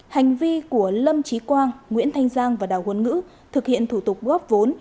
hành vi của lâm trí quang nguyễn thanh giang và đào huân ngữ thực hiện thủ tục góp vốn